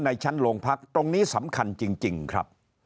ในชั้นโรงพักตรงนี้สำคัญจริงครับ